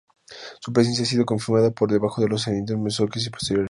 Su presencia ha sido confirmada por debajo de los sedimentos mesozoicos y posteriores.